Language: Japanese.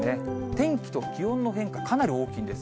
天気と気温の変化、かなり大きいんです。